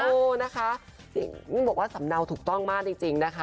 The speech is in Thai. โอ้นะคะต้องบอกว่าสำเนาถูกต้องมากจริงนะคะ